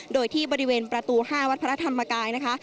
โดยที่บริเวณประตู๕วัดพระธรรมกายนะคะ